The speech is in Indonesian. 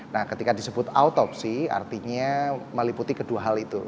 nah ketika disebut autopsi artinya meliputi kedua hal itu